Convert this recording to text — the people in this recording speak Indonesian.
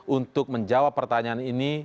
untuk menjawab pertanyaan ini